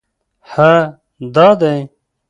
_هه! دا دی!